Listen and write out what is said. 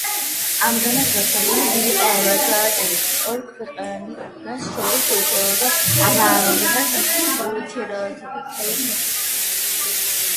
ამჟამად გაშვებული დიდი პროექტები, ორ ქვეყანას შორის უფრო აღრმავებს ურთიერთობებს.